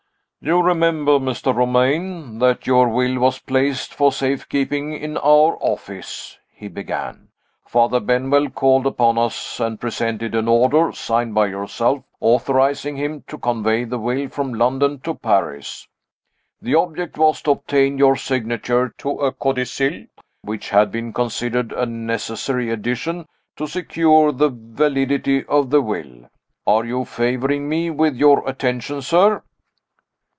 "You remember, Mr. Romayne, that your will was placed, for safe keeping, in our office," he began. "Father Benwell called upon us, and presented an order, signed by yourself, authorizing him to convey the will from London to Paris. The object was to obtain your signature to a codicil, which had been considered a necessary addition to secure the validity of the will. Are you favoring me with your attention, sir?"